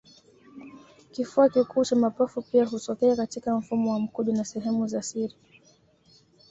kifua kikuu cha mapafu pia hutokea katika mfumo wa mkojo na sehemu za siri